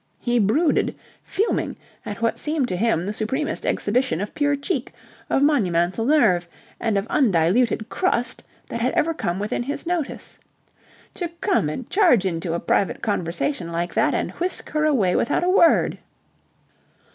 He brooded, fuming, at what seemed to him the supremest exhibition of pure cheek, of monumental nerve, and of undiluted crust that had ever come within his notice. To come and charge into a private conversation like that and whisk her away without a word...